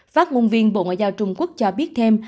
phát ngôn viên bộ ngoại giao trung quốc cho biết thêm